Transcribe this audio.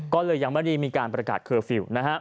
ก็เลยยังไม่ได้มีการประกาศเคอร์ฟิลล์